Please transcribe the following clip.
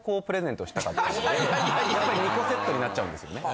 やっぱり２個セットになっちゃうんですよね。